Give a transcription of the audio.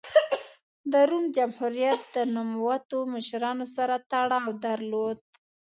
د روم جمهوریت د نوموتو مشرانو سره تړاو درلود.